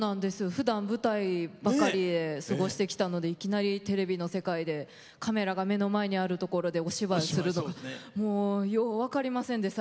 ふだん舞台ばっかりで過ごしてきたのでいきなりテレビの世界でカメラが目の前にあるところでお芝居をするのはもう、よう分かりませんで。